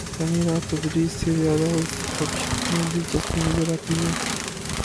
یعنی راہ تدریس سے زیادہ اس گپ شپ میں دلچسپی نظر آتی ہے۔